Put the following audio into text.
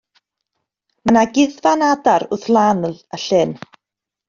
Mae 'na guddfan adar wrth lan y llyn.